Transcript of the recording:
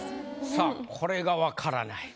さぁこれが分からない。